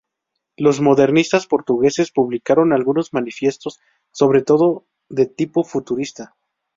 Los modernistas portugueses publicaron algunos manifiestos, sobre todo de tipo futurista.